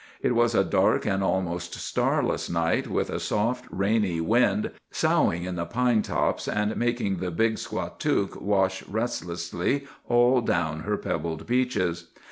"It was a dark and almost starless night, with a soft, rainy wind soughing in the pine tops, and making the 'Big Squatook' wash restlessly all down her pebbled beaches.